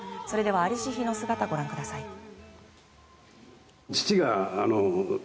それでは在りし日の姿をご覧ください。